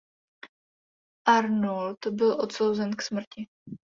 Arnold byl odsouzen k smrti.